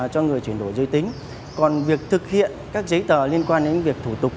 cho người chuyển đổi giới tính còn việc thực hiện các giấy tờ liên quan đến việc thủ tục